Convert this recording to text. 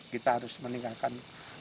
kita harus meninggalkan